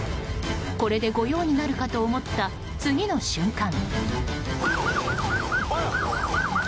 これで御用になるかと思った次の瞬間。